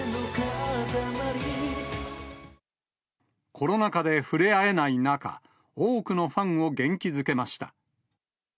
コロナ禍で触れ合えない中、多くのファンを元気づけました。